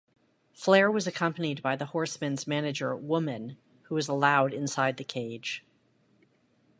Flair was accompanied by the Horsemen's manager Woman who was allowed inside the cage.